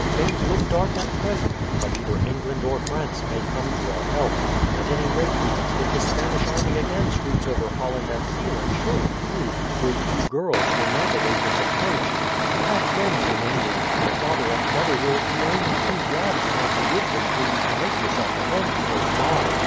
"Things look dark at present, but either England or France may come to our help. At any rate, aunt, if the Spanish army again sweeps over Holland and Zeeland surely you, with two girls, will not await its approach. You have friends in England. My father and mother will be only too glad to have you with them till you can make yourself a home close by.